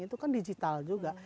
itu kan digital juga